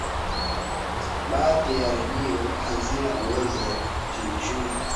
baadhi ya redio hazina uwezo wa kiuchumi